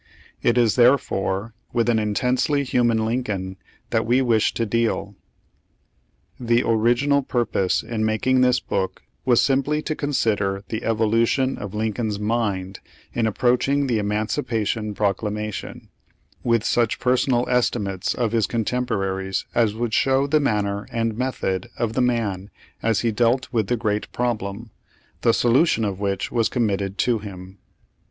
It is therefore with an intensely human Lincoln that we wish to deal. The original purpose in ftiaking this book was simply to consider the evolution of Lincoln's mind in approaching the emancipation proclamation, with such personal estimates of his contempora ries as would show the manner and method of the man as he dealt with the great problem, the solu tion of which was committed to him.